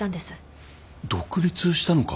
独立したのか。